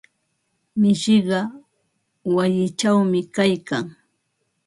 Mishiqa wayichawmi kaykan.